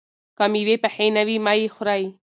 که مېوې پخې نه وي، مه یې خورئ.